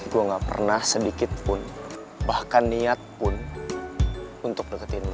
gue gak pernah sedikit pun bahkan niat pun untuk deketin